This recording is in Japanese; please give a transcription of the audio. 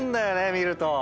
見ると。